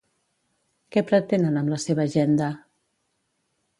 Què pretenen amb la seva agenda?